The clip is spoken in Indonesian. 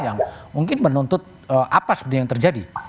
yang mungkin menuntut apa sebenarnya yang terjadi